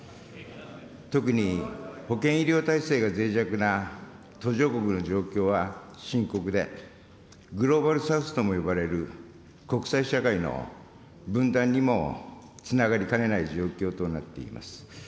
特に、保健・医療体制がぜい弱な途上国の状況は深刻で、グローバル・サウスとも呼ばれる国際社会の分断にもつながりかねない状況となっています。